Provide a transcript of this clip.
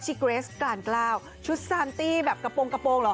ชิเกรสกล่านกล้าวชุดสานตี้แบบกระโปรงหรอ